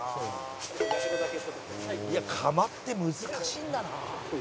「いや窯って難しいんだな」